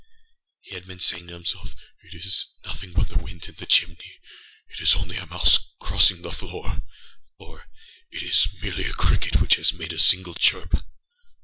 He had been saying to himselfââIt is nothing but the wind in the chimneyâit is only a mouse crossing the floor,â or âIt is merely a cricket which has made a single chirp.